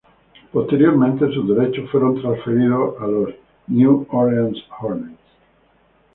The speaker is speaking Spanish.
Posteriormente, sus derechos fueron transferidos a los New Orleans Hornets.